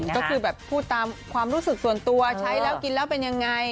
ก็คือแบบพูดตามความรู้สึกส่วนตัวใช้แล้วกินแล้วเป็นยังไง